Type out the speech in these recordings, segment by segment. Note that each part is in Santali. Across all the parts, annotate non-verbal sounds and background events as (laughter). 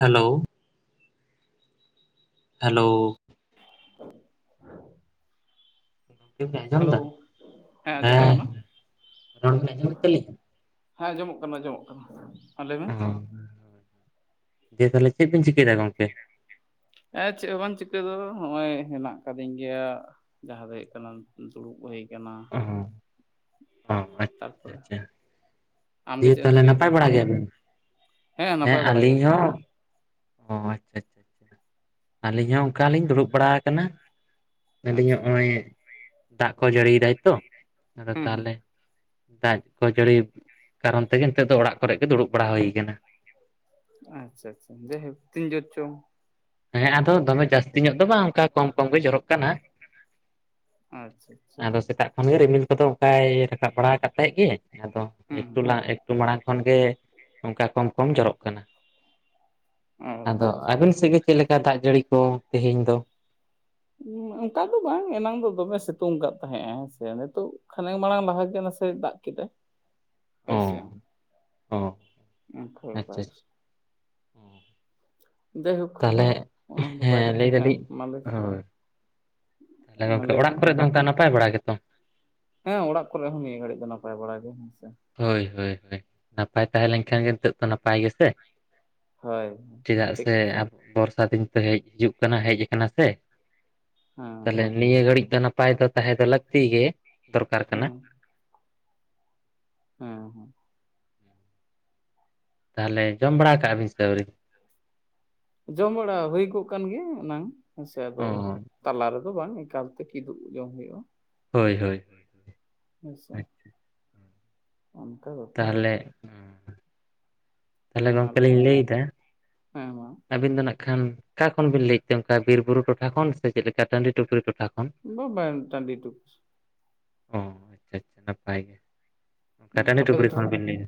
ᱦᱮᱞᱳ᱾ ᱦᱮᱞᱳ᱾ (inaudible) (inaudible) ᱦᱮᱞᱳ ᱦᱮᱸ ᱟᱸᱡᱚᱢᱚᱜ ᱠᱟᱱᱟ᱾ ᱨᱚᱲ ᱵᱤᱱ ᱟᱸᱡᱚᱢᱮᱫ ᱛᱟᱹᱞᱤᱧᱟ ᱦᱮᱸ ᱡᱚᱢᱚᱜ ᱠᱟᱱᱟ ᱡᱚᱢᱚᱜ ᱠᱟᱱᱟ ᱦᱮᱸ ᱫᱤᱭᱮ ᱛᱟᱦᱚᱞᱮ ᱪᱮᱫ ᱵᱤᱱ ᱪᱤᱠᱟᱹᱭ ᱫᱟ ᱜᱚᱢᱠᱮ? ᱮ ᱪᱮᱫ ᱦᱚᱸ ᱵᱟᱝ ᱪᱤᱠᱟᱹ ᱫᱚ ᱵᱟᱝ ᱱᱚᱜᱼᱚᱭ ᱦᱮᱱᱟᱜ ᱠᱟᱫᱤᱧ ᱜᱮᱭᱟ᱾ ᱡᱟᱦᱟᱸ ᱫᱚ ᱦᱩᱭᱩᱜ ᱠᱟᱱᱟ ᱫᱩᱲᱩᱵ ᱦᱳᱭ ᱠᱟᱱᱟ ᱚ ᱚ ᱟᱪᱪᱷᱟ ᱟᱪᱪᱷᱟ ᱛᱟᱨᱯᱚᱨᱮ ᱟᱪᱪᱷᱟ ᱟᱢᱜᱮ ᱫᱤᱭᱮ ᱪᱮᱫ ᱮᱢ ᱛᱟᱦᱚᱞᱮ ᱪᱤᱠᱟᱹᱭᱮᱫᱟ ᱱᱟᱯᱟᱭ ᱵᱟᱲᱟ ᱜᱮᱭᱟᱵᱤᱱ ᱦᱮᱸ ᱱᱟᱯᱟᱭ ᱵᱟᱲᱟ ᱜᱮ ᱟᱹᱞᱤᱧ ᱦᱚᱸ ᱚ ᱟᱪᱪᱷᱟ ᱟᱪᱪᱷᱟ ᱪᱷᱟ ᱟᱹᱞᱤᱧ ᱦᱚᱸ ᱚᱱᱠᱟᱞᱤᱧ ᱫᱩᱲᱩᱵ ᱵᱟᱲᱟ ᱟᱠᱟᱱᱟ᱾ ᱟᱞᱤᱧᱟᱜ ᱟᱪᱪᱷᱟ ᱱᱚᱜ ᱚᱭ ᱫᱟᱜ ᱠᱚ ᱡᱟᱹᱲᱤᱭᱮᱫᱟᱭ ᱛᱚ ᱟᱫᱚ ᱦᱩᱸ ᱦᱩᱸ ᱛᱟᱦᱚᱞᱮ ᱫᱟᱜ ᱠᱚ ᱡᱟᱹᱲᱤ ᱠᱟᱨᱚᱱ ᱛᱮᱜᱮ ᱱᱤᱛᱚᱜ ᱫᱚ ᱚᱲᱟᱜ ᱠᱚᱨᱮ ᱜᱮ ᱫᱩᱲᱩᱵ ᱵᱟᱲᱟ ᱦᱩᱭ ᱟᱠᱟᱱᱟ ᱾ ᱟᱪᱪᱷᱟ ᱟᱪᱪᱷᱟ ᱡ ᱛᱤᱱ ᱡ ᱪᱚᱝ ᱦᱮᱸ ᱟᱫᱚ ᱫᱚᱢᱮ ᱡᱟᱹᱥᱛᱤ ᱧᱚᱜ ᱫᱚ ᱵᱟᱝ ᱚᱱᱠᱟ ᱠᱚᱢ ᱠᱚᱢ ᱜᱮ ᱡᱚᱨᱚᱜ ᱠᱟᱱᱟ᱾ ᱟᱪᱪᱷᱟ ᱟᱪᱪᱷᱟ ᱟᱫᱚ ᱥᱮᱛᱟᱜ ᱠᱷᱚᱱ ᱜᱮ ᱨᱤᱢᱤᱞ ᱠᱚᱫᱚ ᱚᱱᱠᱟᱭ ᱨᱟᱠᱟᱵ ᱵᱟᱲᱟ ᱠᱟᱫ ᱛᱟᱦᱮᱸ ᱜᱮ ᱟᱫᱚ ᱦᱩᱸ ᱮᱠᱴᱩ ᱦᱩᱸ ᱞᱟᱦᱟ ᱮᱠᱴᱩ ᱢᱟᱲᱟᱝ ᱠᱷᱚᱱ ᱜᱮ ᱚᱱᱠᱟ ᱠᱚᱢ ᱠᱚᱢ ᱡᱚᱨᱚᱜ ᱠᱟᱱᱟ᱾ ᱟᱫᱚ ᱟᱪᱪᱷᱟ ᱟᱵᱮᱱ ᱟᱪᱪᱷᱟ ᱥᱮᱫ ᱜᱮ ᱪᱮᱫᱮᱠᱟ ᱫᱟᱜ ᱡᱟᱹᱲᱤ ᱠᱚ ᱛᱮᱦᱮᱧ ᱫᱚ ᱚᱱᱠᱟ ᱫᱚ ᱵᱟᱝ ᱮᱱᱟᱝ ᱫᱚ ᱫᱚᱢᱮ ᱥᱮᱛᱩᱝ ᱟᱠᱟᱫ ᱛᱟᱦᱮᱸᱜᱼᱟ ᱦᱮᱸ ᱥᱮ ᱱᱤᱛᱚᱜ ᱠᱷᱟᱱᱮᱠ ᱢᱟᱲᱟᱝ ᱞᱟᱦᱟ ᱜᱮ ᱱᱟᱥᱮ ᱫᱟᱜ ᱠᱮᱫᱟᱭ ᱦᱳᱭᱥᱮ ᱦᱚ ᱩᱱ ᱠᱷᱟ ᱵᱮᱯᱟᱨ ᱡᱟᱭᱦᱳᱠ ᱛᱟᱦᱚᱞᱮ ᱚᱱᱟ ᱫᱚ ᱵᱟᱭ ᱦᱮᱸ ᱠᱟᱛᱷᱟ ᱞᱟᱹᱭ ᱫᱟᱞᱤᱧ ᱢᱟ ᱞᱟᱹᱭ ᱦᱳᱭ ᱛᱟᱦᱚᱞᱮ ᱜᱚᱝᱠᱮ ᱞᱟᱹᱭ ᱢᱮ ᱚᱲᱟᱜ ᱢᱟ ᱠᱚᱨᱮ ᱫᱚ ᱚᱝᱠᱟ ᱱᱟᱯᱟᱭ ᱵᱟᱲᱟ ᱜᱮᱛᱚ ᱦᱮᱸ ᱚᱲᱟᱜ ᱠᱚᱨᱮ ᱦᱚᱸ ᱱᱤᱭᱟᱹ ᱜᱷᱟᱹᱲᱤᱡ ᱫᱚ ᱱᱟᱯᱟᱭ ᱵᱟᱲᱟ ᱜᱮ ᱦᱮᱸᱥᱮ ᱦᱳᱭ ᱦᱳᱭ ᱦᱳᱭ ᱱᱟᱯᱟᱭ ᱛᱟᱦᱮᱸ ᱞᱮᱱᱠᱷᱟᱱ ᱜᱮ ᱱᱤᱛᱚᱜ ᱫᱚ ᱱᱟᱯᱟᱭ ᱜᱮᱥᱮ ᱦᱳᱭ ᱪᱮᱫᱟᱜ ᱴᱷᱤᱠ ᱥᱮ ᱟᱵᱚ ᱵᱚᱨ ᱥᱟᱫᱷᱤᱱ ᱛᱮ ᱦᱮᱡ ᱦᱤᱡᱩᱜ ᱠᱟᱱᱟ ᱦᱮᱡ ᱠᱟᱱᱟ ᱥᱮ ᱦᱮᱸ ᱛᱟᱦᱚᱞᱮ ᱱᱤᱭᱟᱹ ᱜᱷᱟᱹᱲᱤᱡ ᱫᱚ ᱱᱟᱯᱟᱭ ᱱᱟᱯᱟᱭ ᱫᱚ ᱛᱟᱦᱮᱸ ᱫᱚ ᱞᱟᱹᱠᱛᱤ ᱜᱮ ᱫᱚᱨᱠᱟᱨ ᱠᱟᱱᱟ᱾ ᱦᱮᱸ ᱦᱩ ᱦᱩᱸ ᱛᱟᱦᱚᱞᱮ ᱡᱚᱢ ᱵᱟᱲᱟ ᱠᱟᱜᱼᱟ ᱵᱤᱱ ᱥᱮ ᱟᱣᱨᱤ᱾ ᱡᱚᱢ ᱵᱟᱲᱟ ᱦᱩᱭ ᱠᱚᱜ ᱠᱟᱱ ᱜᱮᱭᱟ ᱮᱱᱟᱝ ᱦᱮᱸ ᱥᱮ ᱚ ᱟᱫᱚ ᱛᱟᱞᱟ ᱨᱮᱫᱚ ᱵᱟᱝ ᱮᱠᱟᱞ ᱛᱮ ᱠᱤᱫᱩᱵ ᱡᱚᱢ ᱦᱩᱭᱩᱜᱼᱟ᱾ ᱦᱳᱭ ᱦᱳᱭ ᱟᱪᱪᱷᱟ ᱚᱱᱠᱟ ᱵᱮᱯᱟᱨ ᱛᱟᱦᱚᱞᱮ ᱛᱟᱦᱞᱮ ᱦᱮᱸ ᱢᱟ ᱜᱚᱝᱠᱮ ᱞᱤᱧ ᱢᱮ ᱞᱟᱹᱭ ᱫᱟ ᱦᱮᱸ ᱢᱟ ᱟᱹᱵᱤᱱ ᱫᱚ ᱱᱟᱜ ᱠᱷᱟᱱ ᱚᱠᱟ ᱠᱷᱚᱱ ᱵᱤᱱ ᱞᱟᱹᱭᱮᱫ ᱛᱮ ᱚᱱᱠᱟ ᱵᱤᱨ ᱵᱩᱨᱩ ᱴᱚᱴᱷᱟ ᱠᱷᱚᱱ ᱥᱮ ᱪᱮᱫ ᱞᱮᱠᱟ ᱴᱟᱺᱰᱤ ᱴᱩᱯᱨᱤ ᱴᱚᱴᱷᱟ ᱠᱷᱚᱱ? ᱵᱚ ᱵᱮᱱ ᱴᱟᱺᱰᱤ ᱴᱩᱯᱩᱥ ᱴᱩᱠ ᱚᱻ ᱟᱪᱪᱷᱟ ᱟᱪᱪᱷᱟ ᱱᱟᱯᱟᱭ ᱜᱮ ᱚᱱᱠᱟ ᱦᱩᱸ ᱴᱟᱺᱰᱤ ᱟᱯᱮ ᱫᱚ ᱴᱩᱯᱨᱤ ᱠᱷᱚᱱ ᱛᱟᱦᱚᱞᱮ ᱵᱤᱱ ᱞᱟᱹᱭ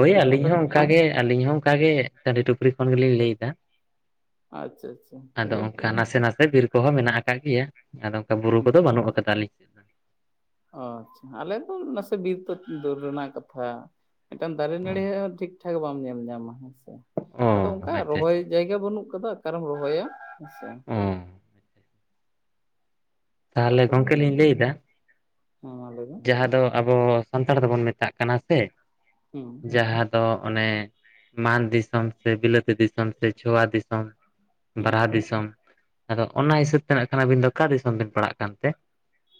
ᱦᱳᱭ ᱭᱟ ᱟᱹᱞᱤᱧ ᱦᱚᱸ ᱚᱱᱠᱟᱜ ᱜᱮ ᱟᱞᱤᱧ ᱦᱚᱸ ᱚᱱᱠᱟᱜᱮ ᱴᱟᱺᱰᱤ ᱴᱩᱯᱨᱤ ᱠᱷᱚᱱ ᱜᱮᱞᱤᱧ ᱞᱟᱹᱭ ᱫᱟ᱾ ᱟᱪᱪᱷᱟ ᱟᱪᱪᱷᱟ ᱟᱫᱚ ᱚᱱᱠᱟ ᱡᱟᱭᱦᱳᱠ ᱱᱟᱥᱮ ᱱᱟᱥᱮ ᱵᱤᱨ ᱠᱚᱦᱚᱸ ᱢᱮᱱᱟᱜ ᱟᱠᱟᱜ ᱜᱮᱭᱟ ᱟᱫᱚ ᱚᱱᱠᱟ ᱵᱩᱨᱩ ᱦᱩᱸ ᱠᱚᱫᱚ ᱵᱟᱹᱱᱩᱜ ᱟᱠᱟᱫᱟᱞᱤᱧ ᱚ ᱟᱪᱪᱷᱟ ᱟᱞᱮ ᱫᱚ ᱱᱟᱥᱮ ᱵᱤᱨ ᱫᱚ ᱫᱩᱨ ᱨᱮᱱᱟᱜ ᱠᱟᱛᱷᱟ ᱾ ᱢᱤᱫᱴᱟᱝ ᱫᱟᱲᱮ ᱱᱟᱹᱲᱤ ᱳ ᱴᱷᱤᱠ ᱴᱷᱟᱠ ᱵᱟᱢ ᱧᱮᱞ ᱧᱟᱢᱟ ᱦᱮᱸ ᱥᱮ ᱚ ᱟᱫᱚ ᱚᱱᱠᱟ ᱟᱪᱪᱷᱟ ᱨᱚᱦᱚᱭ ᱟᱪᱪᱷᱟ ᱡᱟᱭᱜᱟ ᱵᱟᱹᱱᱩᱜ ᱠᱟᱫᱟ ᱚᱠᱟᱨᱮᱢ ᱨᱚᱦᱚᱭᱟ ᱦᱮᱸᱥᱮ ᱦᱚᱸ ᱛᱟᱦᱚᱞᱮ ᱠᱟᱛᱷᱟ ᱫᱚ ᱜᱚᱢᱠᱮ ᱤᱱᱟᱹ ᱜᱮ ᱞᱤᱧ ᱦᱮᱸ ᱞᱟᱹᱭᱫᱟ ᱢᱟ ᱞᱟᱹᱭ ᱢᱮ ᱡᱟᱦᱟᱸ ᱫᱚ ᱟᱵᱚ ᱥᱟᱱᱛᱟᱲ ᱫᱚᱵᱚᱱ ᱢᱮᱛᱟᱜ ᱠᱟᱱᱟ ᱥᱮ, ᱦᱩᱸ, ᱡᱟᱦᱟᱸ ᱫᱚ ᱚᱱᱮ ᱢᱟᱱ ᱫᱤᱥᱚᱢ ᱥᱮ ᱵᱤᱞᱟᱹᱛᱤ ᱫᱤᱥᱚᱢ ᱥᱮ ᱪᱷᱳᱣᱟ ᱫᱤᱥᱚᱢ, ᱦᱩᱸ ᱵᱟᱨᱟᱦᱟ ᱫᱤᱥᱚᱢ ᱟᱫᱚ ᱚᱱᱟ ᱦᱤᱥᱟᱹᱵ ᱛᱮ ᱱᱟᱠᱷᱟᱱ ᱟᱹᱵᱤᱱ ᱫᱚ ᱟᱠᱟ ᱫᱤᱥᱚᱢ ᱵᱤᱱ ᱯᱟᱲᱦᱟᱜ ᱠᱟᱱ ᱛᱮ?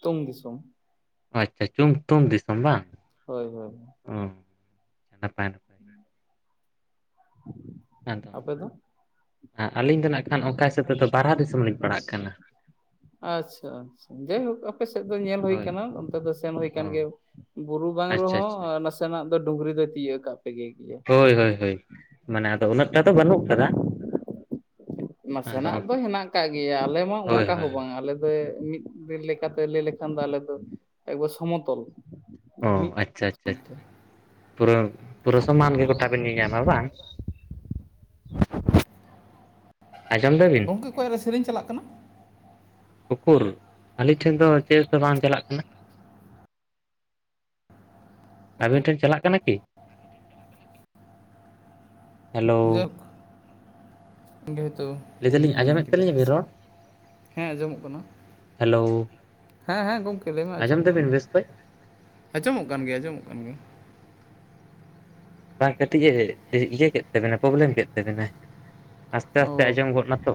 ᱛᱩᱝ ᱫᱤᱥᱚᱢ, ᱟᱪᱪᱷᱟ ᱪᱩᱝ ᱛᱩᱝ ᱫᱤᱥᱚᱢ ᱵᱟᱝ ᱦᱳᱭ ᱦᱳᱭ ᱚ ᱱᱟᱯᱟᱭ, ᱜᱮ (unintelligible) ᱟᱫᱚ ᱟᱯᱮ ᱫᱚ ᱟᱹᱞᱤᱧ ᱫᱚ ᱱᱟᱜ ᱠᱷᱟᱱ ᱚᱠᱟ ᱦᱤᱥᱟᱹᱵ ᱛᱮᱫᱚ ᱵᱟᱨᱦᱟ ᱫᱤᱥᱚᱢ ᱞᱤᱧ ᱯᱟᱲᱦᱟᱜ ᱠᱟᱱᱟ, ᱟᱪᱼᱪᱷᱟ ᱟᱪᱼᱪᱷᱟ ᱡᱟᱭᱦᱳᱠ, ᱟᱯᱮ ᱥᱮᱫ ᱫᱚ ᱧᱮᱞ ᱦᱳᱭ ᱟᱠᱟᱱᱟ ᱚᱱᱛᱮ ᱫᱚ ᱥᱮᱱ ᱦᱳᱭ ᱟᱠᱟᱱ ᱚ ᱜᱮᱭᱟ ᱵᱩᱨᱩ ᱵᱟᱝ ᱟᱪᱪᱷᱟ ᱨᱮᱦᱚᱸ ᱟᱪᱪᱷᱟ ᱱᱟᱥᱮ, ᱛᱮᱱᱟᱜ ᱫᱚ ᱰᱩᱝᱨᱤ ᱫᱚᱭ ᱛᱤᱭᱟᱹᱜ ᱠᱟᱜ ᱯᱮᱜᱮ ᱜᱮᱭᱟ, ᱦᱳᱭ ᱦᱳᱭ ᱦᱳᱭ, ᱢᱟᱱᱮ ᱟᱫᱚ ᱩᱱᱟᱹᱜᱴᱟ ᱫᱚ ᱵᱟᱹᱱᱩᱜ ᱟᱠᱟᱫᱟ, ᱱᱟᱥᱮ ᱱᱟᱜ ᱫᱚ ᱦᱮᱱᱟᱜ ᱠᱟᱜ ᱜᱮᱭᱟ ᱟᱞᱮ ᱢᱟ ᱦᱳᱭ ᱚᱱᱠᱟ ᱦᱳᱭ ᱦᱚᱸ ᱵᱟᱝ ᱟᱞᱮ ᱢᱤᱫ ᱵᱮ ᱞᱮᱠᱟᱛᱮ ᱞᱟᱹᱭ ᱞᱮᱠᱷᱟᱱ ᱫᱚ ᱟᱞᱮ ᱫᱚ ᱮᱠᱵᱟᱨ ᱥᱚᱢᱚᱛᱚᱞ, ᱚ ᱢᱤᱫ ᱟᱪᱪᱷᱟ ᱟᱪᱪᱷᱟ ᱛᱮ᱾ ᱟᱪᱷᱟ, ᱯᱩᱨᱟᱹ ᱯᱩᱨᱟᱹ ᱥᱚᱢᱟᱱ ᱜᱮ ᱜᱚᱴᱟ ᱵᱤᱱ ᱧᱮᱧᱟᱢᱟ ᱵᱟᱝ, ᱟᱸᱡᱚᱢ ᱫᱟ ᱵᱤᱱ? ᱜᱚᱝᱠᱮ ᱚᱠᱚᱭᱟᱜ ᱨᱮ ᱥᱮᱨᱮᱧ ᱪᱟᱞᱟᱜ ᱠᱟᱱᱟ ᱩᱠᱩᱨ ᱟᱞᱤᱧ ᱴᱷᱮᱱ ᱫᱚ ᱪᱮᱫ ᱦᱚᱸᱛᱚ ᱵᱟᱝ ᱪᱟᱞᱟᱜ ᱠᱟᱱᱟ, ᱟᱵᱤᱱ ᱴᱷᱮᱱ ᱪᱟᱞᱟᱜ ᱠᱟᱱᱟ ᱠᱤ? (unintelligible) ᱡᱟᱠ ᱡᱮᱦᱮᱛᱩ ᱞᱟᱹᱭ ᱫᱟᱞᱤᱧ ᱵᱩᱞᱤᱧ ᱢᱚᱱᱮ ᱟᱸᱡᱚᱢᱮᱫ ᱠᱮᱫᱟ ᱛᱟᱹᱞᱤᱧᱟ ᱵᱤᱱ ᱦᱮᱸᱥᱮ? ᱨᱚᱲ ᱦᱮᱸ ᱟᱸᱡᱚᱢᱚᱜ ᱠᱟᱱᱟ, ᱦᱮᱞᱳ ᱦᱮᱸ ᱦᱮᱸ ᱜᱚᱢᱠᱮ ᱞᱟᱹᱭ ᱢᱮ ᱟᱸᱡᱚᱢ ᱟᱸᱡᱚᱢᱚᱜ ᱠᱟᱱᱟ, ᱫᱟᱵᱤᱱ ᱵᱮᱥ ᱠᱚᱡ ᱟᱸᱡᱚᱢᱚᱜ ᱠᱟᱱ ᱜᱮᱭᱟ ᱟᱸᱡᱚᱢᱚᱜ ᱠᱟᱱ ᱜᱮᱭᱟ ᱾ ᱵᱟ ᱠᱟᱹᱴᱤᱡᱼᱮ ᱤᱭᱟᱹ ᱠᱮᱫ ᱛᱮ ᱢᱟᱱᱮ ᱯᱨᱚᱵᱞᱮᱢ ᱠᱮᱫ ᱛᱟᱵᱮᱱᱟᱭ ᱟᱥᱛᱮ ᱟᱥᱛᱮ ᱚ ᱟᱸᱡᱚᱢ ᱜᱚᱫ ᱱᱟᱛᱚ,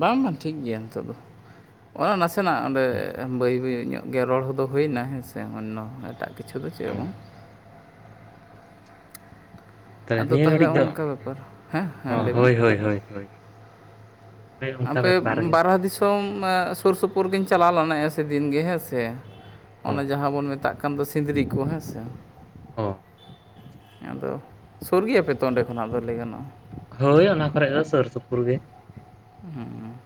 ᱵᱟᱝ ᱵᱟᱝ ᱴᱷᱤᱠ ᱜᱮᱭᱟ ᱱᱤᱛᱚᱜ ᱫᱚ ᱱᱟᱥᱮ ᱱᱟᱜ ᱚᱸᱰᱮ ᱵᱟᱹᱭ ᱵᱟᱹᱭ ᱧᱚᱜ, ᱜᱮ ᱨᱚᱲ ᱦᱚᱸᱫᱚ ᱦᱳᱭᱮᱱᱟ ᱦᱮᱸ ᱥᱮ ᱱᱚᱣᱟ ᱮᱴᱟᱜ ᱠᱤᱪᱷᱩ, ᱤᱪᱪᱷᱟᱹ ᱫᱚ ᱪᱮᱫ ᱦᱚᱸ ᱵᱟᱝ, (unintelligible) ᱛᱟᱦᱮ ᱟᱫᱚ ᱱᱤᱭᱟᱹ ᱛᱟᱦᱚᱞᱮ ᱜᱷᱟᱹᱲᱤᱡ ᱫᱚ ᱚᱱᱠᱟ ᱵᱮᱯᱟᱨ ᱦᱮᱸ ᱦᱮᱸ ᱞᱟᱹᱭ ᱢᱮ ᱦᱳᱭ ᱦᱳᱭ ᱦᱳᱭ ᱦᱳᱭ, ᱦᱳᱭ ᱚᱱᱠᱟ ᱟᱯᱮ ᱵᱮᱯᱟᱨ ᱜᱮ ᱵᱟᱨᱟ ᱫᱤᱥᱚᱢ ᱥᱳᱨ ᱥᱳᱯᱳᱨᱜᱤᱧ ᱪᱟᱞᱟᱣ ᱞᱮᱱᱟᱭᱟ ᱫᱤᱱᱜ ᱜᱮ ᱦᱮᱸ ᱥᱮ, ᱚ ᱚᱱᱮ ᱡᱟᱦᱟᱸ ᱵᱚᱱ ᱢᱮᱛᱟᱜ ᱠᱟᱱ ᱫᱚ ᱥᱤᱸᱫᱽᱨᱤ ᱠᱚ ᱦᱮᱸᱥᱮ, ᱚ ᱟᱪᱪᱷᱟ ᱛᱚ ᱥᱩᱨ ᱜᱮᱭᱟ ᱯᱮ ᱛᱚ ᱚᱸᱰᱮ ᱠᱷᱚᱱᱟᱜ ᱫᱚ ᱞᱟᱹᱭ ᱜᱟᱱᱚᱜᱼᱟ, ᱦᱳᱭ ᱚᱱᱟ ᱠᱚᱨᱮ ᱫᱚ ᱥᱳᱨ ᱥᱩᱯᱩᱨ ᱜᱮ, ᱦᱩᱸ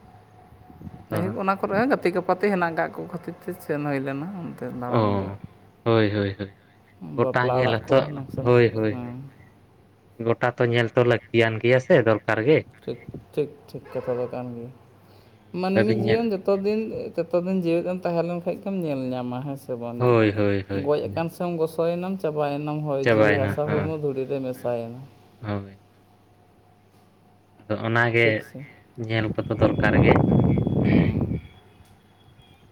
ᱟᱫᱚ ᱡᱟᱭᱦᱳᱭᱳᱜ ᱚᱱᱟ, ᱠᱚᱨᱮ ᱦᱚᱸ ᱜᱟᱛᱮ ᱜᱟᱯᱟᱛᱮ ᱦᱮᱱᱟᱜ ᱟᱠᱟᱫ ᱠᱚ ᱠᱷᱟᱹᱛᱤᱨ ᱛᱮ ᱥᱮᱱ ᱦᱳᱭ ᱞᱮᱱᱟ ᱚᱱᱛᱮ, ᱫᱟᱬᱟᱱ ᱜᱮ ᱚ ᱦᱳᱭ ᱦᱳᱭ ᱦᱳᱭ, ᱜᱳᱴᱟ ᱵᱟᱯᱞᱟ ᱧᱮᱞ ᱚᱲᱟᱜ ᱠᱚ ᱟᱛᱚ, ᱯᱷᱟᱱᱥᱮᱱ ᱦᱳᱭ ᱦᱳᱭ ᱦᱮᱸ ᱜᱚᱴᱟ ᱛᱚ ᱧᱮᱞ ᱛᱚ ᱞᱟᱹᱠᱛᱤᱭᱟᱱ ᱜᱮᱭᱟ ᱥᱮ ᱫᱚᱠ ᱴᱷᱤᱠ ᱴᱷᱤᱠ ᱠᱟᱛᱷᱟ ᱫᱚ ᱠᱟᱱ ᱜᱮᱭᱟ, ᱢᱟᱹᱱᱢᱤ ᱵᱟᱹᱵᱤᱱ ᱧᱮᱞ ᱡᱤᱭᱚᱱ ᱫᱚ ᱛᱚ ᱫᱤᱱ ᱛᱚᱛᱚ ᱫᱤᱱ ᱡᱮᱣᱮᱫ ᱮᱢ ᱛᱟᱦᱮᱸ ᱞᱮᱱᱠᱷᱟᱱ ᱜᱮᱢ ᱧᱮᱞ ᱧᱟᱢᱟ ᱦᱮᱸ ᱥᱮ ᱵᱟᱝ ᱦᱳᱭ ᱦᱳᱭ ᱦᱳᱭ ᱜᱚᱡ ᱟᱠᱟᱱ, ᱜᱚᱥᱚᱭᱮᱱᱟᱢ ᱪᱟᱵᱟᱭᱮᱱᱟᱢ ᱦᱚᱭ ᱡᱤᱣᱤ ᱦᱟᱥᱟ ᱪᱟᱵᱟᱭᱮᱱᱟ ᱦᱮᱸ ᱦᱚᱲᱢᱚ ᱫᱷᱩᱲᱤ ᱨᱮ ᱦᱮᱸ ᱢᱮᱥᱟᱭᱮᱱᱟ, ᱦᱳᱭ, ᱟᱫᱚ ᱚᱱᱟ ᱜᱮ ᱴᱷᱤᱠ ᱥᱮ ᱧᱮᱞ ᱠᱚ ᱫᱚ ᱫᱚᱨᱠᱟᱨ ᱜᱮ,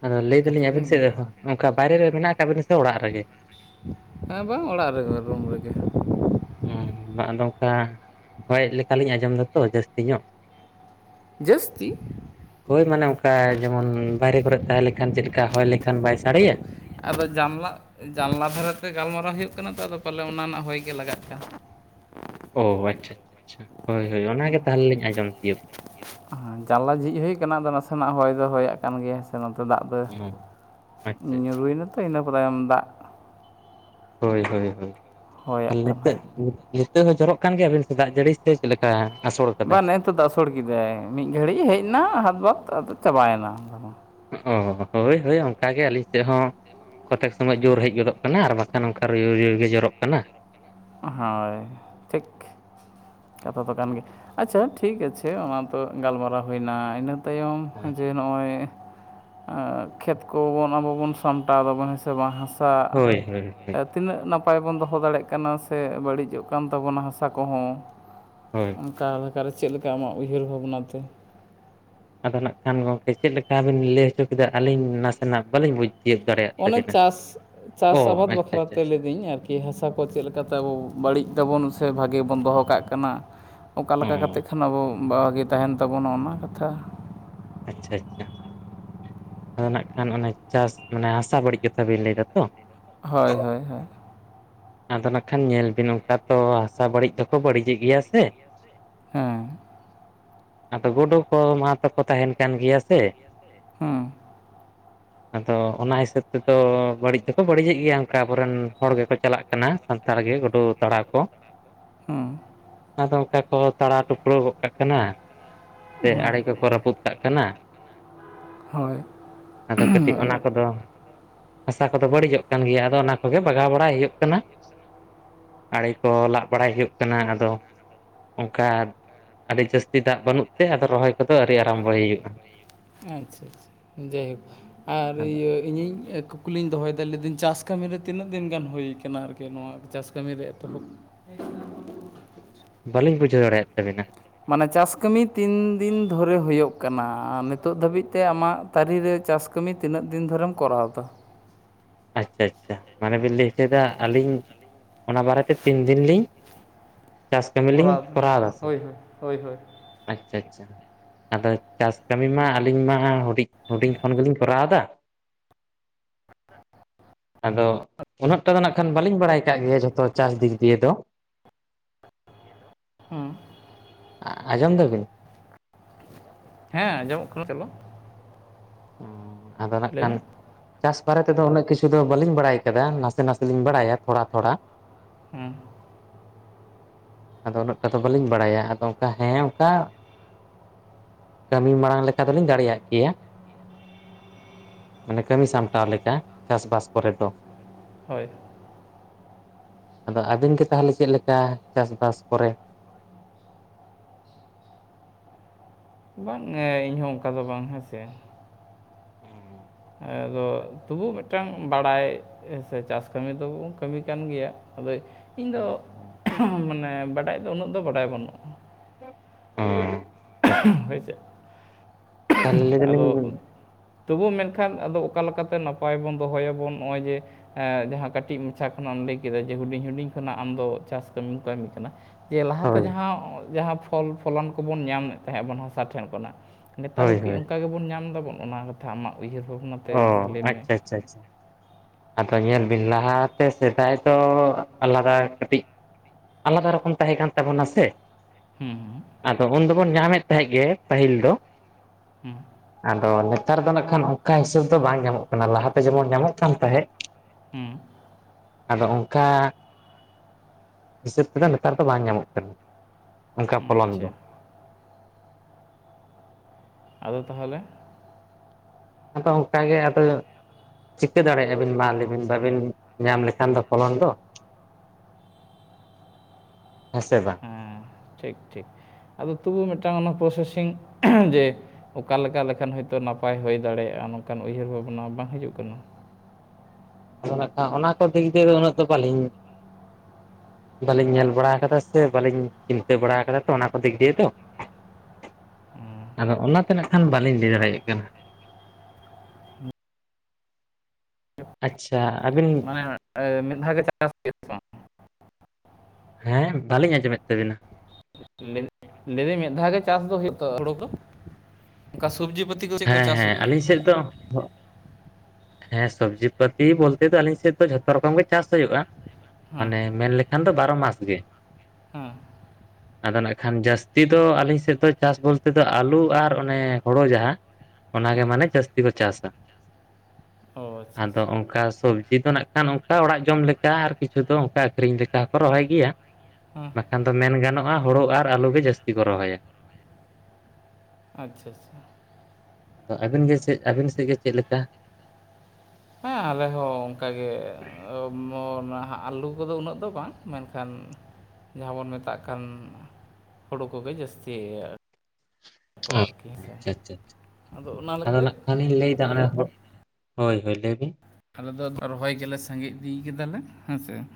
ᱟᱫᱚ ᱞᱟᱹᱭ ᱫᱟᱞᱤᱧ ᱠᱟᱛᱷᱟ ᱫᱚ ᱟᱵᱤᱱ ᱥᱮᱫ ᱤᱱᱟᱹᱜᱮ ᱨᱮᱦᱚᱸ ᱚᱱᱠᱟ ᱵᱟᱭᱨᱮ ᱨᱮ ᱢᱮᱱᱟᱜ ᱟᱠᱟᱟᱜ ᱵᱤᱱᱱᱟ ᱥᱮ ᱚᱲᱟᱜ ᱨᱮ ᱜᱮ? ᱦᱮᱸ ᱵᱟᱝ ᱚᱲᱟᱜ ᱨᱮ ᱜᱮ ᱨᱩᱢ ᱨᱮ ᱜᱮ᱾ ᱚ, ᱵᱟ ᱟᱫᱚ ᱚᱝᱠᱟ ᱦᱚᱭᱮᱫ ᱞᱮᱠᱟᱞᱤᱧ ᱟᱸᱡᱚᱢᱫᱟᱛᱚ ᱡᱟᱹᱥᱛᱤ ᱧᱚᱜ᱾ ᱡᱟᱹᱥᱛᱤ? ᱦᱳᱭ ᱢᱟᱱᱮ ᱚᱝᱠᱟ ᱡᱮᱢᱚᱱ ᱵᱟᱭᱨᱮ ᱠᱚᱨᱮ ᱛᱟᱦᱮᱸ ᱞᱮᱠᱷᱟᱱ ᱪᱮᱫ ᱞᱮᱠᱟ ᱦᱚᱭ ᱞᱮᱠᱷᱟᱱ ᱵᱟᱭ ᱥᱟᱲᱮᱭᱟ? ᱟᱫᱚ ᱡᱟᱱᱞᱟ, ᱡᱟᱱᱞᱟ ᱫᱷᱟᱨᱮᱛᱮ ᱜᱟᱞᱢᱟᱨᱟᱣ ᱦᱩᱭᱩᱜ ᱠᱟᱱᱟ ᱛᱚ ᱟᱫᱚ ᱯᱟᱞᱮ ᱚᱱᱟ ᱨᱮᱱᱟᱜ ᱦᱚᱭ ᱜᱮ ᱞᱟᱜᱟᱜ ᱠᱟᱱᱟ᱾ ᱚ, ᱟᱪᱪᱷᱟ ᱟᱪᱪᱷᱟ ᱟᱪᱪᱷᱟ, ᱦᱳᱭ ᱦᱳᱭ ᱚᱱᱟ ᱜᱮ ᱛᱟᱦᱞᱮ ᱞᱤᱧ ᱟᱸᱡᱚᱢ ᱛᱤᱭᱳᱜ ᱦᱮᱸ, ᱡᱟᱱᱟᱞᱟ ᱡᱷᱤᱡ ᱦᱩᱭ ᱠᱟᱱᱟ, ᱟᱫᱚ ᱱᱟᱥᱮᱱᱟᱜ ᱦᱚᱭ ᱫᱚ ᱦᱚᱭᱟᱜ ᱠᱟᱱ ᱜᱮᱭᱟ ᱥᱮ ᱱᱚᱛᱮ ᱫᱟᱜ ᱫᱚ ᱟᱠᱟᱫᱟ᱾ ᱟᱪᱪᱷᱟ ᱟᱪᱪᱷᱟ ᱧᱩᱨᱩᱭᱮᱱᱟᱛᱚ ᱤᱱᱟᱹ ᱯᱚᱨᱮ ᱫᱟᱜ ᱦᱳᱭ ᱦᱳᱭ ᱦᱳᱭ, ᱦᱚᱭᱟᱜ ᱛᱟᱞ ᱠᱟᱱᱟᱭ ᱱᱤᱛᱳᱜ ᱱᱤᱛ ᱚᱱᱛᱮ ᱦᱚᱸ ᱡᱚᱨᱚᱜ ᱠᱟᱱ ᱜᱮᱭᱟᱵᱤᱱ ᱥᱮ ᱫᱟᱜ ᱡᱟᱹᱲᱤ ᱥᱮ ᱪᱮᱫᱞᱮᱠᱟ ᱟᱥᱚᱲ ᱵᱟ, ᱱᱚᱛᱚ ᱫᱚ ᱟᱥᱚᱲ ᱠᱮᱫᱟᱭ, ᱢᱤᱫ ᱜᱷᱟᱹᱲᱤᱡ ᱦᱮᱡᱱᱟ ᱦᱟᱫᱵᱟᱫ ᱟᱫᱚ ᱪᱟᱵᱟᱭᱮᱱᱟ ᱜᱷᱟᱱᱮ᱾ ᱚ, ᱦᱳᱭ ᱦᱳᱭ ᱚᱝᱠᱟᱜᱮ ᱟᱹᱞᱤᱧ ᱥᱮᱫ ᱦᱚᱸ ᱠᱚᱛᱮᱠ ᱥᱚᱢᱚᱭ ᱡᱳᱨ ᱦᱮᱡ ᱜᱚᱫᱚᱜ ᱠᱟᱱᱟ ᱟᱨ ᱵᱟᱠᱷᱟᱱ ᱚᱝᱠᱟ ᱛᱩᱭᱩ ᱨᱩᱭᱩ ᱜᱮ ᱡᱚᱨᱚᱜ ᱠᱟᱱᱟ᱾ ᱦᱳᱭ ᱴᱷᱤᱠ ᱠᱟᱛᱷᱟ ᱫᱚ ᱠᱟᱱ ᱜᱮ᱾ ᱟᱪᱪᱷᱟ ᱴᱷᱤᱠ ᱟᱪᱷᱮ ᱚᱱᱟ ᱛᱚ ᱜᱟᱞᱢᱟᱨᱟᱣ ᱦᱩᱭᱱᱟ ᱤᱱᱟᱹ ᱛᱟᱭᱚᱢ ᱡᱮ ᱱᱚᱜ-ᱚᱭ ᱠᱷᱮᱛ ᱠᱚᱵᱚᱱ ᱟᱵᱚ ᱵᱚᱱ ᱥᱟᱢᱴᱟᱣ ᱫᱟᱵᱚᱱ ᱦᱮᱸ ᱥᱮ ᱵᱟᱝ ᱦᱟᱥᱟ ᱦᱳᱭ ᱦᱳᱭ ᱦᱳᱭ (unintelligible) ᱛᱤᱱᱟᱹᱜ ᱱᱟᱯᱟᱭ ᱵᱚᱱ ᱫᱚᱦᱚ ᱫᱟᱲᱮᱜ ᱠᱟᱱᱟ ᱥᱮ ᱵᱟᱹᱲᱤᱡᱚᱜ ᱠᱟᱱ ᱛᱟᱵᱚᱱᱟ ᱦᱟᱥᱟ ᱠᱚᱦᱚᱸ? ᱦᱳᱭ᱾ ᱚᱝᱠᱟ ᱞᱮᱠᱟᱨᱮ ᱪᱮᱫᱞᱮᱠᱟ ᱟᱢᱟᱜ ᱩᱭᱦᱟᱹᱨ ᱵᱷᱟᱵᱽᱱᱟ ᱛᱮ? ᱟᱫᱚ ᱱᱟᱜ ᱠᱷᱟᱱ ᱜᱚᱝᱠᱮ ᱪᱮᱫ ᱞᱮᱠᱟ ᱵᱤᱱ ᱞᱟᱹᱭ ᱦᱚᱪᱚ ᱠᱮᱫᱟ ᱟᱹᱞᱤᱧ ᱱᱟᱥᱮᱱᱟᱜ ᱵᱟᱹᱞᱤᱧ ᱵᱩᱡᱽ ᱛᱤᱭᱳᱜ ᱫᱟᱲᱮᱭᱟᱜ ᱚᱱᱮ ᱛᱟᱹᱵᱤᱱᱟ᱾ ᱪᱟᱥ, ᱚ ᱪᱟᱥ ᱟᱵᱟᱫᱽ ᱟᱪᱪᱷᱟ ᱟᱪᱪᱷᱟ ᱵᱟᱠᱷᱨᱟᱛᱮ ᱟᱪᱪᱷᱟ ᱞᱟᱹᱭᱫᱟᱹᱧ ᱟᱨᱠᱤ ᱦᱟᱥᱟ ᱠᱚ ᱪᱮᱫᱞᱮᱠᱟ ᱟᱵᱚ ᱵᱟᱹᱲᱤᱡ ᱫᱟᱵᱚᱱ ᱥᱮ ᱵᱷᱟᱜᱮ ᱵᱚᱱ ᱫᱚᱦᱚ ᱠᱟᱜ ᱠᱟᱱᱟ, ᱚᱠᱟ ᱚ ᱞᱮᱠᱟ ᱠᱟᱛᱮᱜ ᱠᱷᱟᱱ ᱟᱵᱚ ᱵᱷᱟᱜᱮ ᱛᱟᱦᱮᱱ ᱛᱟᱵᱚᱱᱟ ᱚᱱᱟ ᱠᱟᱛᱷᱟ? ᱟᱪᱪᱷᱟ ᱟᱪᱪᱷᱟ᱾ ᱦᱚᱸ ᱱᱟᱜ ᱠᱷᱟᱱ ᱚᱱᱟ ᱪᱟᱥ ᱢᱟᱱᱮ ᱦᱟᱥᱟ ᱵᱟᱹᱲᱤᱡ ᱠᱟᱛᱷᱟ ᱵᱤᱱ ᱞᱟᱹᱭᱫᱟᱛᱚ? ᱦᱳᱭ ᱦᱳᱭ ᱦᱳᱭ᱾ ᱟᱫᱚ ᱱᱟᱜ ᱠᱷᱟᱱ ᱧᱮᱞ ᱵᱤᱱ ᱚᱱᱠᱟ ᱛᱚ ᱦᱟᱥᱟ ᱵᱟᱹᱲᱤᱡ ᱫᱚᱠᱚ ᱵᱟᱹᱲᱤᱡᱮᱜ ᱜᱮᱭᱟ ᱥᱮ᱾ ᱦᱮᱸ᱾ ᱟᱫᱚ ᱜᱩᱰᱩ ᱠᱚ ᱢᱟᱴᱷ ᱨᱮᱠᱚ ᱛᱟᱦᱮᱱ ᱠᱟᱱ ᱜᱮᱭᱟ ᱥᱮ᱾ ᱦᱮᱸ᱾ ᱟᱫᱚ ᱚᱱᱟ ᱦᱤᱥᱟᱹᱵᱽ ᱛᱮᱫᱚ ᱵᱟᱹᱲᱤᱡ ᱫᱚᱠᱚ ᱵᱟᱹᱲᱤᱡᱮᱫ ᱜᱮᱭᱟ ᱚᱝᱠᱟ ᱟᱵᱚᱨᱮᱱ ᱦᱚᱲ ᱜᱮᱠᱚ ᱪᱟᱞᱟᱜ ᱠᱟᱱᱟ ᱥᱟᱱᱛᱟᱲ ᱜᱮ ᱜᱩᱰᱩ ᱛᱟᱲᱟᱣ ᱠᱚ᱾ ᱦᱩᱸ᱾ ᱟᱫᱚ ᱚᱝᱠᱟ ᱠᱚ ᱛᱟᱲᱟ ᱴᱩᱯᱲᱟᱹᱣ ᱜᱚᱜ ᱠᱟᱜ ᱠᱟᱱᱟ᱾ ᱥᱮ ᱦᱮᱸ ᱟᱲᱮ ᱠᱚᱠᱚ ᱨᱟᱹᱯᱩᱫ ᱠᱟᱜ ᱠᱟᱱᱟ᱾ ᱦᱳᱭ᱾ ᱟᱫᱚ ᱠᱟᱹᱴᱤᱡ ᱚᱱᱟ ᱠᱚᱫᱚ ᱦᱟᱥᱟ ᱠᱚᱫᱚ ᱵᱟᱹᱲᱤᱡᱚᱜ ᱠᱟᱱ ᱜᱮᱭᱟ, ᱟᱫᱚ ᱚᱱᱟ ᱠᱚᱜᱮ ᱵᱟᱜᱟᱣ ᱵᱟᱲᱟᱭ ᱦᱩᱭᱩᱜ ᱠᱟᱱᱟ᱾ ᱟᱲᱮ ᱠᱚ ᱞᱟᱜ ᱵᱟᱲᱟᱭ ᱦᱩᱭᱩᱜ ᱠᱟᱱᱟ ᱟᱫᱚ᱾ ᱚᱝᱠᱟ ᱟᱹᱰᱤ ᱡᱟᱹᱥᱛᱤ ᱫᱟᱜ ᱵᱟᱹᱱᱩᱜ ᱛᱮ ᱟᱫᱚ ᱨᱚᱦᱚᱭ ᱠᱚᱫᱚ ᱟᱹᱣᱨᱤ ᱟᱨᱟᱢᱵᱚᱭ ᱦᱩᱭᱩᱜ-ᱟ᱾ ᱟᱪᱪᱷᱟ ᱟᱪᱪᱷᱟ᱾ ᱡᱟᱭ ᱦᱳᱠ᱾ ᱟᱨ ᱤᱭᱟᱹ ᱤᱧᱤᱧ ᱠᱩᱠᱞᱤᱧ ᱫᱚᱦᱚᱭᱮᱫᱟ, ᱞᱟᱹᱭᱫᱟᱹᱧ ᱪᱟᱥ ᱠᱟᱹᱢᱤᱨᱮ ᱛᱤᱱᱟᱹᱜ ᱫᱤᱱ ᱜᱟᱱ ᱦᱩᱭ ᱠᱟᱱᱟ ᱟᱨᱠᱤ ᱱᱚᱣᱟ ᱫᱚ? ᱪᱟᱥ ᱠᱟᱹᱢᱤ ᱨᱮ ᱮᱛᱚᱦᱚᱵ ᱵᱟᱹᱞᱤᱧ ᱵᱩᱡᱷᱟᱹᱣ ᱫᱟᱲᱮᱭᱟᱜ ᱛᱟᱵᱤᱱᱟ᱾ ᱢᱟᱱᱮ ᱪᱟᱥ ᱠᱟᱹᱢᱤ ᱛᱤᱱ ᱫᱤᱱ ᱫᱷᱚᱨᱮ ᱦᱩᱭᱩᱜ ᱠᱟᱱᱟ, ᱱᱤᱛᱚᱜ ᱫᱷᱟᱹᱵᱤᱡ ᱛᱮ ᱟᱢᱟᱜ ᱛᱟᱹᱨᱤ ᱨᱮ ᱪᱟᱥ ᱠᱟᱹᱢᱤ ᱛᱤᱱᱟᱹᱜ ᱫᱤᱱ ᱫᱷᱚᱨᱮᱢ ᱠᱚᱨᱟᱣ ᱮᱫᱟ᱾ ᱟᱪᱪᱷᱟ ᱟᱪᱪᱷᱟ, ᱢᱟᱱᱮ ᱵᱤᱱ ᱞᱟᱹᱭ ᱛᱟᱸᱦᱮᱫᱟ ᱟᱹᱞᱤᱧ ᱚᱱᱟ ᱵᱟᱨᱮᱛᱮ ᱛᱤᱱ ᱫᱤᱱ ᱞᱤᱧ ᱪᱟᱥ ᱠᱟᱹᱢᱤ ᱞᱤᱧ ᱫᱟᱹᱧ ᱠᱚᱨᱟᱣ ᱮᱫᱟ ᱥᱮ᱾ ᱦᱳᱭ ᱦᱳᱭ ᱦᱳᱭ ᱦᱳᱭ ᱟᱪᱪᱷᱟ ᱟᱪᱪᱷᱟ, ᱟᱫᱚ ᱪᱟᱥ ᱠᱟᱹᱢᱤ ᱢᱟ ᱟᱹᱞᱤᱧ ᱢᱟ ᱦᱩᱰᱤᱧ ᱦᱩᱰᱤᱧ ᱠᱷᱚᱱ ᱜᱮᱞᱤᱧ ᱠᱚᱨᱟᱣ ᱮᱫᱟ᱾ ᱟᱫᱚ ᱩᱱᱟᱹᱜ ᱴᱟ ᱫᱚ ᱱᱟᱜ ᱠᱷᱟᱱ ᱵᱟᱹᱞᱤᱧ ᱵᱟᱲᱟᱭ ᱠᱟᱜ ᱜᱮᱭᱟ ᱡᱷᱚᱛᱚ ᱪᱟᱥ ᱫᱤᱠ ᱫᱤᱭᱮ ᱫᱚ᱾ ᱦᱩᱸ ᱟᱸᱡᱚᱢ ᱮᱫᱟ ᱵᱤᱱ᱾ ᱦᱮᱸ ᱟᱸᱡᱚᱢᱚᱜ ᱠᱟᱱᱟ ᱪᱚᱞᱚ ᱚ ᱟᱫᱚ ᱱᱟᱜ ᱞᱟᱹᱭ ᱠᱷᱟᱱ᱾ ᱢᱮ ᱪᱟᱥ ᱵᱟᱨᱮ ᱛᱮᱫᱚ ᱩᱱᱟᱹᱜ ᱠᱤᱪᱷᱩ ᱫᱚ ᱵᱟᱹᱞᱤᱧ ᱵᱟᱲᱟᱭ ᱟᱠᱟᱫᱟ, ᱱᱟᱥᱮ ᱱᱟᱥᱮ ᱞᱤᱧ ᱵᱟᱲᱟᱭᱟ ᱛᱷᱚᱲᱟ ᱛᱷᱚᱲᱟ᱾ ᱦᱩᱸ ᱟᱫᱚ ᱩᱱᱟᱹᱜ ᱴᱟ ᱫᱚ ᱵᱟᱹᱞᱤᱧ ᱵᱟᱲᱟᱭᱟ ᱟᱫᱚ ᱚᱱᱠᱟ ᱦᱮᱸ ᱚᱱᱠᱟ᱾ ᱠᱟᱹᱢᱤ ᱢᱟᱲᱟᱝ ᱞᱮᱠᱟ ᱫᱚᱞᱤᱧ ᱫᱟᱲᱮᱭᱟᱜ ᱜᱮᱭᱟ᱾ ᱢᱟᱱᱮ ᱠᱟᱹᱢᱤ ᱥᱟᱢᱴᱟᱣ ᱞᱮᱠᱟ, ᱪᱟᱥᱵᱟᱥ ᱠᱚᱨᱮ ᱫᱚ᱾ ᱦᱳᱭ᱾ ᱟᱫᱚ ᱟᱵᱤᱱ ᱜᱮ ᱛᱟᱦᱚᱞᱮ ᱪᱮᱫ ᱞᱮᱠᱟ ᱪᱟᱥᱵᱟᱥ ᱠᱚᱨᱮ᱾ ᱵᱟᱝ ᱤᱧᱦᱚᱸ ᱚᱱᱠᱟ ᱫᱚ ᱵᱟᱝ ᱦᱮᱸᱥᱮ‌, (inaudible) ᱟᱫᱚ ᱛᱚᱵᱩ ᱢᱤᱫᱴᱟᱝ ᱵᱟᱲᱟᱭ᱾ ᱦᱮ ᱥᱮ ᱪᱟᱥ ᱠᱟᱹᱢᱤ ᱫᱚᱵᱚᱱ ᱠᱟᱹᱢᱤ ᱠᱟᱱ ᱜᱮᱭᱟ, ᱟᱫᱚᱭ ᱤᱧ ᱫᱚ ᱦᱩᱸ (inaudible) ᱢᱟᱱᱮ ᱵᱟᱰᱟᱭ ᱫᱚ ᱩᱱᱟᱹᱜ ᱫᱚ ᱵᱟᱰᱟᱭ ᱵᱟᱹᱱᱩᱜᱼᱟ ᱾ (inaudible) (inaudible) ᱦᱳᱭ ᱪᱮᱫ ᱛᱟᱦᱚᱞᱮ ᱞᱟᱹᱭ (inaudible) ᱫᱟᱞᱤᱧ ᱟᱫᱚ, ᱛᱚᱵᱩ ᱢᱮᱱᱠᱷᱟᱱ ᱟᱫᱚ ᱚᱠᱟ ᱞᱮᱠᱟᱛᱮ ᱱᱟᱯᱟᱭ ᱵᱚᱱ ᱫᱚᱦᱚᱭᱟᱵᱚᱱ ᱱᱚᱜᱼᱚᱭ ᱡᱮ‌, ᱮ ᱡᱟᱸᱦᱟᱸ ᱠᱟᱹᱴᱤᱡ ᱢᱟᱪᱷᱟ ᱠᱷᱚᱱᱟᱜ ᱮᱢ ᱞᱟᱹᱭ ᱠᱮᱫᱟ ᱡᱮ ᱦᱩᱰᱤᱧ ᱦᱩᱰᱤᱧ ᱠᱷᱚᱱᱟᱜ ᱟᱢ ᱫᱚ ᱪᱟᱥ ᱠᱟᱹᱢᱤᱢ ᱠᱟᱹᱢᱤ ᱠᱟᱱᱟ ᱾ ᱡᱮ ᱞᱟᱦᱟᱛᱮ ᱦᱳᱭ ᱡᱟᱸᱦᱟᱸ ᱡᱟᱸᱦᱟᱸ ᱯᱷᱚᱞ ᱯᱷᱚᱞᱚᱱ ᱠᱚᱵᱚᱱ ᱧᱟᱢᱮᱜ ᱛᱟᱦᱮᱸᱜ ᱟᱵᱚᱱ ᱦᱟᱥᱟ ᱴᱷᱮᱱ ᱠᱷᱚᱱᱟᱜ, ᱱᱮᱛᱟᱨ ᱦᱳᱭ ᱦᱚᱸ ᱠᱤ ᱦᱳᱭ ᱚᱱᱠᱟ ᱜᱮᱵᱚᱱ ᱧᱟᱢ ᱮᱫᱟᱵᱚᱱ ᱚᱱᱟ ᱠᱟᱛᱷᱟ ᱟᱢᱟᱜ ᱩᱭᱦᱟᱹᱨ ᱵᱷᱟᱵᱱᱟ ᱚ ᱟᱪᱪᱷᱟ ᱟᱪᱪᱷᱟ ᱟᱪᱪᱷᱟ‌ ᱾ ᱟᱫᱚ ᱧᱮᱞ ᱵᱤᱱ ᱞᱟᱦᱟᱛᱮ ᱥᱮᱫᱟᱭ ᱫᱚ ᱟᱞᱟᱫᱟ ᱠᱟᱹᱴᱤᱡ, ᱟᱞᱟᱫᱟ ᱨᱚᱠᱚᱢ ᱛᱟᱦᱮᱸ ᱠᱟᱱ ᱛᱟᱵᱚᱱᱟ ᱥᱮ ᱾ ᱦᱮᱸ ᱾ ᱟᱫᱚ ᱩᱱ ᱫᱚᱵᱚᱱ ᱧᱟᱢᱮᱫ ᱛᱟᱦᱮᱸᱫ ᱜᱮ ᱯᱟᱹᱦᱤᱞ ᱫᱚ᱾ ᱾ ᱦᱮᱸ ᱟᱫᱚ ᱱᱮᱛᱟᱨ ᱫᱚ ᱱᱟᱜᱠᱷᱟᱱ ᱚᱱᱠᱟ ᱦᱤᱥᱟᱹᱵ ᱫᱚ ᱵᱟᱝ ᱧᱟᱢᱚᱜ ᱠᱟᱱᱟ ᱞᱟᱦᱟᱛᱮ ᱡᱮᱢᱚᱱ ᱧᱟᱢᱚᱜ ᱠᱟᱱ ᱛᱟᱦᱮᱸᱫ ᱾ ᱦᱮᱸ ᱾ ᱟᱫᱚ ᱚᱝᱠᱟ, ᱦᱤᱥᱟᱹᱵ ᱛᱮᱫᱚ ᱱᱮᱛᱟᱨ ᱫᱚ ᱵᱟᱝ ᱧᱟᱢᱚᱜ ᱠᱟᱱᱟ, ᱚᱱᱠᱟ ᱦᱮᱸ ᱯᱷᱚᱞᱚᱱ ᱫᱚ ᱟᱪᱪᱷᱟ ᱾ ᱟᱫᱚ ᱛᱟᱦᱚᱞᱮ? ᱟᱫᱚ ᱚᱱᱠᱟ ᱜᱮ ᱟᱫᱚ‌ ᱪᱤᱠᱟᱹ ᱫᱟᱲᱮᱭᱟᱜᱼᱟ ᱵᱤᱱ ᱢᱟ ᱞᱟ. ᱭ ᱵᱤᱱ, ᱵᱟᱵᱤᱱ ᱧᱟᱢ ᱞᱮᱠᱷᱟᱱ ᱫᱚ ᱯᱷᱚᱞᱚᱱ ᱫᱚ ᱾ ᱦᱮᱸ ᱥᱮ ᱵᱟᱝ? ᱦᱮᱸ ᱴᱷᱤᱠ ᱴᱷᱤᱠ ᱟᱫᱚ ᱛᱚᱵᱩ ᱢᱤᱫᱴᱟᱝ ᱚᱱᱟ ᱯᱨᱚᱥᱮᱥᱤᱝ (inaudible) ᱡᱮ, ᱚᱠᱟ ᱞᱮᱠᱟ ᱞᱮᱠᱷᱟᱱ ᱦᱳᱭᱛᱳ ᱱᱟᱯᱟᱭ ᱦᱩᱭ ᱫᱟᱲᱮᱭᱟᱜᱼᱟ ᱱᱚᱝᱠᱟᱱ ᱩᱭᱦᱟᱹᱨ ᱵᱷᱟᱵᱽᱱᱟ ᱵᱟᱝ ᱦᱤᱡᱩᱜ ᱠᱟᱱᱟ? ᱟᱫᱚ ᱱᱟᱸᱜ ᱠᱷᱟᱱ ᱚᱱᱟ ᱠᱚ ᱫᱤᱠ ᱫᱤᱭᱮ ᱩᱱᱟᱹᱜ ᱫᱚ ᱵᱟᱹᱞᱤᱧ ᱵᱟᱹᱞᱤᱧ ᱧᱮᱞ ᱵᱟᱲᱟ ᱟᱠᱟᱫᱟ ᱥᱮ ᱵᱟᱞᱤᱧ ᱪᱤᱱᱛᱟᱹ ᱵᱟᱲᱟ ᱟᱠᱟᱫᱟ ᱛᱚ ᱚᱱᱟ ᱠᱚ ᱫᱤᱠ ᱫᱤᱭᱮ ᱫᱚ ᱾ ᱟᱫᱚ ᱚᱱᱟᱛᱮ ᱱᱟᱜ ᱠᱷᱟᱱ ᱵᱟᱞᱤᱧ ᱞᱟᱹᱭ ᱫᱟᱲᱮᱭᱟᱜ ᱠᱟᱱᱟ ᱾ ᱟᱪᱪᱷᱟ ᱟᱹᱵᱤᱱ ᱢᱟᱱᱮ ᱢᱤᱫ ᱫᱷᱟᱣ ᱜᱮ (unintelligible) ᱵᱟᱝ ᱦᱮᱸ ᱵᱟᱹᱞᱤᱧ ᱟᱸᱡᱚᱢᱮᱫ ᱛᱟᱵᱤᱱᱟ? (unintelligible) ᱞᱟᱹᱭᱫᱟᱹᱧ ᱢᱤᱫ ᱫᱷᱟᱣ ᱜᱮ ᱪᱟᱥ ᱫᱚ ᱦᱩᱭᱩᱜ ᱛᱚ ᱦᱩᱲᱩ ᱫᱚ? ᱚᱱᱠᱟ ᱥᱚᱵᱡᱤ ᱯᱛᱤ ᱦᱮᱸ ᱦᱮᱸ ᱟᱹᱞᱤᱧ ᱥᱮᱫ ᱫᱚ ᱦᱮᱸ ᱥᱚᱵᱽᱡᱤ ᱯᱟᱟᱹᱛᱤ ᱵᱚᱞᱛᱮ ᱫᱚ ᱟᱞᱤᱧ ᱥᱮᱫ ᱫᱚ ᱡᱷᱚᱛᱚ ᱨᱚᱠᱚᱢ ᱜᱮ ᱪᱟᱥ ᱦᱩᱭᱩᱜ-ᱟ ᱾ ᱦᱮᱸ ᱢᱟᱱᱮ ᱢᱮᱱ ᱞᱮᱠᱷᱟᱱ ᱫᱚ ᱵᱟᱨᱚ ᱢᱟᱥ ᱜᱮ ᱦᱮᱸ ᱾ ᱟᱫᱚ ᱱᱟᱜ ᱠᱷᱟᱱ ᱡᱟᱹᱥᱛᱤ ᱫᱚ ᱟᱹᱞᱤᱧ ᱥᱮᱫ ᱫᱚ ᱪᱟᱥ ᱵᱚᱞᱛᱮ ᱫᱚ ᱟᱹᱞᱩ ᱟᱨ ᱚᱱᱮ ᱦᱳᱲᱳ ᱡᱟᱦᱟᱸ ᱚᱱᱟᱜᱮ ᱦᱮᱸ ᱢᱟᱱᱮ ᱡᱟᱹᱥᱛᱤ ᱠᱚ ᱪᱟᱥᱟ ᱾ ᱚ ᱟᱪᱪᱷᱟ ᱟᱫᱚ ᱟᱪᱪᱷᱟ ᱚᱱᱠᱟ ᱥᱚᱵᱡᱤ ᱫᱚ ᱱᱟᱜ ᱠᱷᱟᱱ ᱚᱱᱠᱟ ᱚᱲᱟᱜ ᱡᱚᱢ ᱞᱮᱠᱟ ᱟᱨ ᱠᱤᱪᱷᱩ ᱫᱚ ᱚᱱᱠᱟ ᱟᱹᱠᱷᱨᱤᱧ ᱞᱮᱠᱟ ᱦᱚᱸᱠᱚ ᱨᱚᱦᱚᱭ ᱜᱮᱭᱟ ᱾ ᱦᱮᱸ ᱵᱟᱠᱷᱟᱱ ᱫᱚ ᱢᱮᱱ ᱜᱟᱱᱚᱜ-ᱟ ᱦᱩᱲᱩ ᱟᱨ ᱟᱹᱞᱩ ᱜᱮ ᱡᱟᱹᱥᱛᱤ ᱠᱚ ᱨᱚᱦᱚᱭᱟ ᱾ ᱟᱪᱪᱷᱟ ᱪᱪᱪᱷᱟ ᱾ ᱟᱫᱚ ᱟᱹᱵᱤᱱ ᱜᱮ ᱪᱮᱫ ᱟᱹᱵᱤᱱ ᱥᱮᱫ ᱜᱮ ᱪᱮᱫ ᱞᱮᱠᱟ? ᱦᱮᱸ ᱟᱞᱮ ᱦᱚᱸ ᱚᱱᱠᱟᱜ ᱜᱮ ᱟᱞᱩ ᱠᱚᱫᱚ ᱩᱱᱟᱹᱜ ᱫᱚ ᱵᱟᱝ ᱢᱮᱱᱠᱷᱟᱱ ᱡᱟᱦᱟᱸ ᱵᱚᱱ ᱢᱮᱛᱟᱜ ᱠᱟᱱ ᱦᱳᱲᱳ ᱠᱚᱜᱮ ᱡᱟᱹᱥᱛᱤ (unintelligible) ᱠᱚ ᱚ ᱟᱨᱠᱤ ᱦᱮᱸᱥᱮ ᱟᱪᱪᱷᱟ ᱟᱪᱪᱷᱟ ᱚᱱᱟ ᱟᱫᱚ ᱞᱮᱠᱟᱛᱮ ᱱᱟᱸᱜ ᱠᱷᱟᱱᱤᱧ ᱞᱟᱹᱭᱫᱟ ᱦᱳᱭ ᱦᱳᱭ ᱞᱟᱹᱭ ᱵᱤᱱ ᱾ ᱟᱞᱮ ᱫᱚ ᱨᱚᱦᱚᱭ ᱜᱮᱞᱮ ᱥᱟᱸᱜᱮ ᱤᱫᱤ ᱠᱮᱫᱟᱞᱮ ᱦᱮᱸᱥᱮ ᱾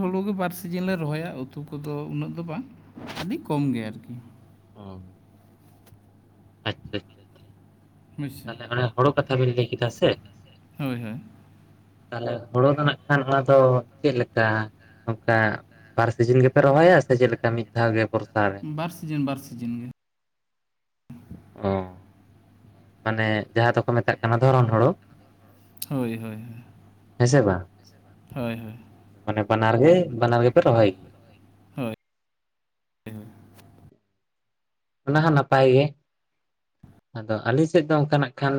ᱦᱩᱲᱩ ᱜᱮ ᱵᱟᱨ ᱥᱤᱡᱤᱱ ᱞᱮ ᱨᱚᱦᱚᱭᱟ ᱩᱛᱩ ᱠᱚᱫᱚ ᱩᱱᱟᱹᱜ ᱫᱚ ᱵᱟᱝ ᱟᱹᱰᱤ ᱠᱚᱢ ᱜᱮ ᱟᱨᱠᱤ ᱾ (unintelligible) ᱟᱪᱪᱷᱟ ᱟᱪᱪᱷᱟ, ᱵᱩᱡᱽᱥᱮ ᱛᱟᱦᱚᱞᱮ ᱚᱱᱮ ᱦᱚᱲᱚ ᱠᱟᱛᱷᱟ ᱵᱤᱱ ᱞᱟᱹᱭ ᱠᱮᱫᱟ ᱥᱮ? ᱦᱳᱭ ᱦᱳᱭ᱾ ᱛᱟᱦᱚᱞᱮ ᱦᱳᱲᱳ ᱫᱚ ᱱᱟᱜ ᱠᱷᱟᱱ ᱚᱱᱟᱫᱚ ᱪᱮᱫ ᱞᱮᱠᱟ? ᱚᱱᱠᱟ ᱵᱟᱨ ᱥᱤᱡᱤᱱ ᱜᱮᱯᱮ ᱨᱚᱦᱚᱭᱟ ᱥᱮ ᱪᱮᱫ ᱞᱮᱠᱟ ᱢᱤᱫ ᱫᱷᱟᱣ ᱜᱮ ᱵᱚᱨᱥᱟ ᱨᱮ? ᱵᱟᱨ ᱥᱤᱡᱤᱱ ᱵᱟᱨ ᱥᱤᱡᱤᱱ ᱜᱮ᱾ ᱚᱻ ᱢᱟᱱᱮ ᱡᱟᱦᱟᱸ ᱫᱚᱠᱚ ᱢᱮᱛᱟᱜ ᱠᱟᱱᱟ ᱫᱷᱚᱨᱚᱱ ᱦᱳᱲᱳ ᱦᱳᱭ ᱦᱳᱭ ᱦᱳᱭ ᱾ ᱦᱮᱸ ᱥᱮ ᱵᱟᱝ ᱦᱳᱭ ᱦᱳᱭ ᱾ ᱢᱟᱱᱮ ᱵᱟᱱᱟᱨ ᱜᱮ ᱵᱟᱱᱟᱨ ᱜᱮ ᱯᱮ ᱨᱚᱦᱚᱭ ᱚᱱᱟ ᱦᱚᱸ ᱱᱟᱯᱟᱭ ᱜᱮ᱾ ᱟᱫᱚ ᱟᱹᱞᱤᱧ ᱥᱮᱫ ᱫᱚ ᱚᱱᱠᱟ ᱱᱟᱜ ᱠᱷᱟᱱ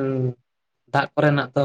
ᱫᱟᱜ ᱠᱚᱨᱮᱱᱟᱜ ᱫᱚ